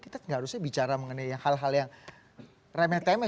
kita tidak harusnya bicara mengenai hal hal yang remeh temeh